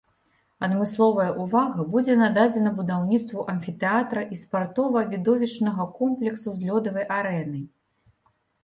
Адмысловая ўвага будзе нададзена будаўніцтву амфітэатра і спартова-відовішчнага комплексу з лёдавай арэнай.